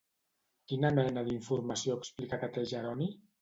Quina mena d'informació explica que té Jeroni?